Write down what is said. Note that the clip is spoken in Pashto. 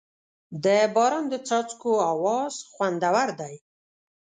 د باران د څاڅکو اواز خوندور دی.